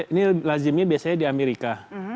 jadi ini lazimnya biasanya di amerika